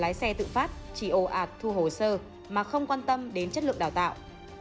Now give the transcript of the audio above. lái xe tự phát chỉ ồ ạt thu hồ sơ mà không quan tâm đến chất lượng đào tạo